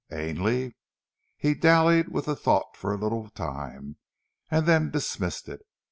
Ainley? He dallied with the thought for a little time, and then dismissed it.